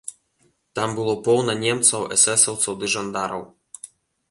Там было поўна немцаў, эсэсаўцаў ды жандараў.